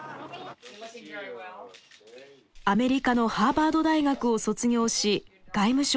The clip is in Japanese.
アメリカのハーバード大学を卒業し外務省に入省。